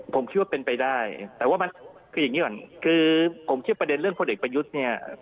ผมคิดว่าเป็นไปได้แต่ว่ามันคืออย่างนี้ก่อนคือผมเชื่อประเด็นเรื่องพลเอกประยุทธ์เนี่ย